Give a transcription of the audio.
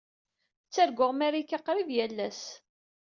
Ttarguɣ Marika qrib yal ass.